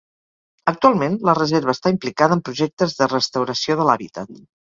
Actualment, la reserva està implicada en projectes de restauració de l'hàbitat.